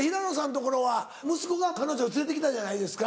ところは息子が彼女を連れて来たじゃないですか。